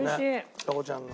ちさ子ちゃんの。